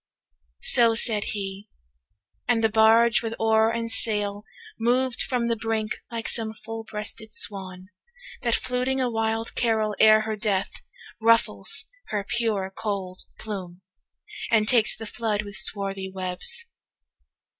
So said he, and the barge with oar and sail 265 Moved from the brink, like some full breasted swan That, fluting a wild carol ere her death, Ruffles her pure cold plume, and takes the flood With swarthy webs.